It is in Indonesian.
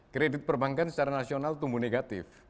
kredit perbankan secara nasional tumbuh negatif